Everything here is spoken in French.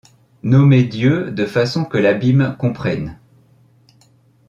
Nommer Dieu de façon que l’abîme comprenne.